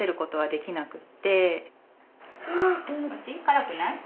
辛くない？